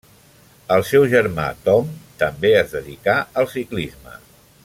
El seu germà Tom també es dedicà al ciclisme.